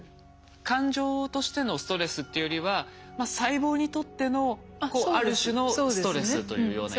感情としてのストレスっていうよりは細胞にとってのある種のストレスというようなイメージですかね。